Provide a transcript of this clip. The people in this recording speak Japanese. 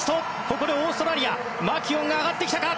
ここでオーストラリアマキュオンが上がってきたか。